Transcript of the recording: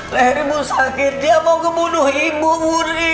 leher ibu sakit dia mau kebunuh ibu wuri